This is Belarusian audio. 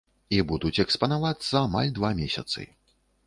І будуць экспанавацца амаль два месяцы.